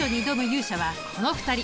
勇者はこの２人！